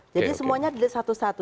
jadi semuanya satu satu